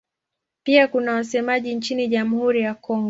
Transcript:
Pia kuna wasemaji nchini Jamhuri ya Kongo.